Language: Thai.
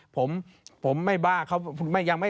ผมไม่บ้าเขา